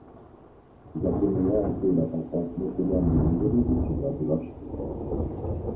C'est à ce moment que la paroisse Notre Dame de Lourdes décida de l'acheter.